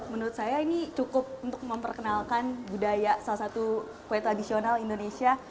menurut saya ini cukup untuk memperkenalkan budaya salah satu kue tradisional indonesia